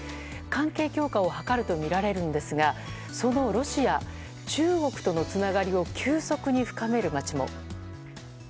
関係強化を図るとみられるんですがそのロシア、中国とのつながりを急速に深める街も。